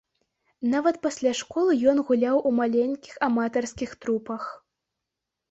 Нават пасля школы ён гуляў у маленькіх аматарскіх трупах.